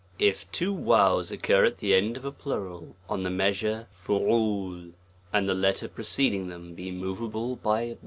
37 xxm. IF two Waos occur at the end of a plural, on the 9 measure Jyw 9 and the letter preceding them "be moveable by